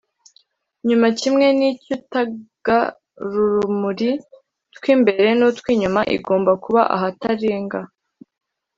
nyuma kimwe n icy utugarurumuri tw imbere n utw inyuma igomba kuba ahatarenga